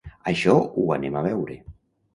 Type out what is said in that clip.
Això ho anem a veure.